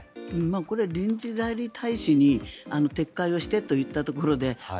これは臨時代理大使に撤回をしてと言ったところであ、